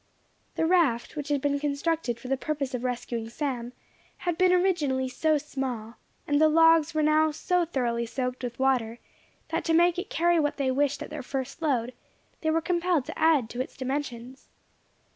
The raft which had been constructed for the purpose of rescuing Sam, had been originally so small, and the logs were now so thoroughly soaked with water, that to make it carry what they wished at their first load they were compelled to add to its dimensions.